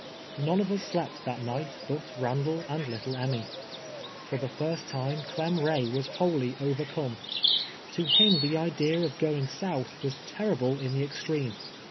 Kone of us sle})t that night hut Ihindall and little Emmy. For tlie lirst time Clem Kay was wholly overcome. To him the idea of going south was ter rible in the extreme.